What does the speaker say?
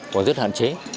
cũng rất hạn chế